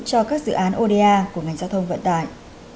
cho các dự án oda của ngành giao thông vận tải